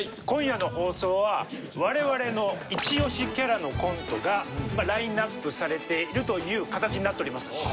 今夜の放送は我々の一押しキャラのコントがラインアップされているという形になっております。